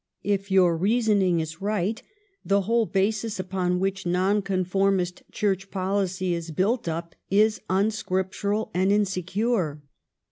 If your reasoning is right, the whole basis upon which Nonconformist Church policy is built up is unscriptural and insecure.